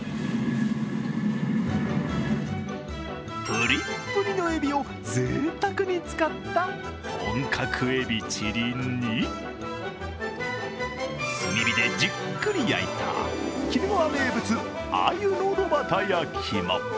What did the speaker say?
ぷりっぷりのえびをぜいたくに使った、本格エビチリに、炭火でじっくり焼いた鬼怒川名物あゆの炉端焼きも。